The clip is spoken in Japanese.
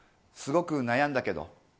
すごく悩んだけど。